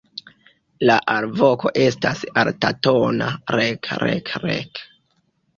La alvoko estas altatona "rek-rek-rek".